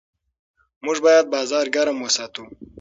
موږ باید بازار ګرم وساتو.